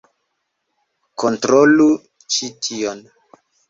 Kontrolu ĉi tion!